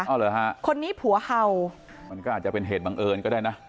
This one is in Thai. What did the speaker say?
เอาเหรอฮะคนนี้ผัวเห่ามันก็อาจจะเป็นเหตุบังเอิญก็ได้นะ